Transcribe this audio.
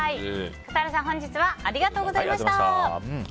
笠原さん、本日はありがとうございました。